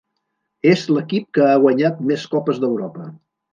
És l'equip que ha guanyat més Copes d'Europa.